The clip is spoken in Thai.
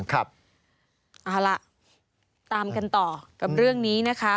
เอาล่ะตามกันต่อกับเรื่องนี้นะคะ